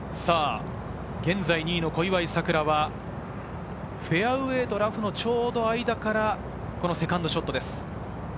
現在２位の小祝さくらは、フェアウエーとラフのちょうど間から、セカンドショットです。